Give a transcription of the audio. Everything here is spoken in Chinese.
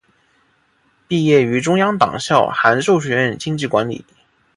毕业于中央党校函授学院经济管理。